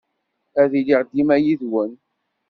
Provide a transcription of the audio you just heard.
Ad iliɣ dima yid-wen.